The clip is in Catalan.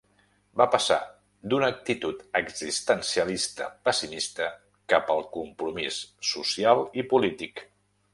Va passar d'una actitud existencialista pessimista cap al compromís social i polític.